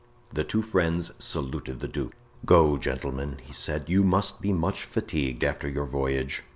The two friends saluted the duke. "Go, gentlemen," he said; "you must be much fatigued after your voyage.